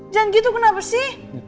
jangan gitu kenapa sih